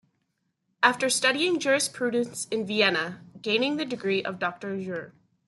After studying jurisprudence in Vienna, gaining the degree of Doctor jur.